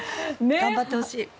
頑張ってほしい。